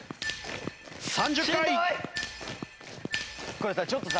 これさちょっとさ